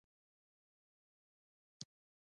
ملک صاحب تل خپله خبره ټینګه نیولې وي